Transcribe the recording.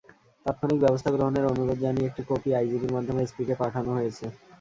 তাৎক্ষণিক ব্যবস্থা গ্রহণের অনুরোধ জানিয়ে একটি কপি আইজিপির মাধ্যমে এসপিকে পাঠানো হয়েছে।